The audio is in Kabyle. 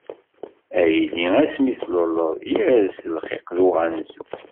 A yelli asmi i tluleḍ, yers lxiq d uɣanzu.